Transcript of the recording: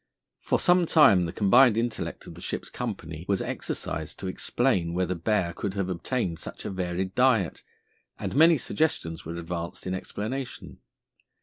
For some time the combined intellect of the ship's company was exercised to explain where the bear could have obtained such a varied diet and many suggestions were advanced in explanation.